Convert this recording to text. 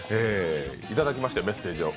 いただきましたよ、メッセージを。